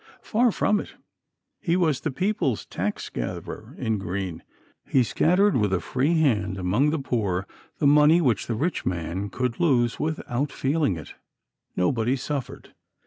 Far from it; he was the people's tax gatherer in green. He scattered with a free hand among the poor the money which the rich man could lose without feeling it. Nobody suffered.